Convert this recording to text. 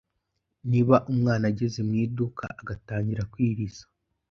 niba umwana ageze mu iduka agatangira kwiriza